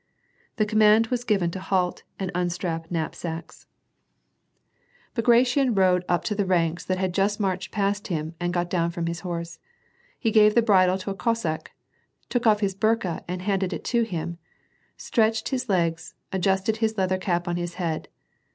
The command was given to ^t and unstrap knapsacks. • Glalof the trouble. 220 J''^*^ ^^^ PEACE, Bagration rode up to the ranks that had just marched past him, and got down from his horse. He gave the bridle to a Cossack, took off his burka and handed it to him, stretched his legs, adjusted his leather cap on his head.